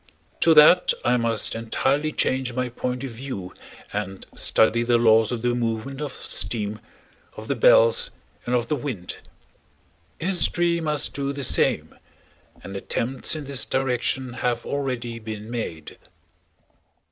To that I must entirely change my point of view and study the laws of the movement of steam, of the bells, and of the wind. History must do the same. And attempts in this direction have already been made.